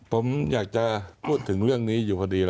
ผมอยากจะพูดถึงเรื่องนี้อยู่พอดี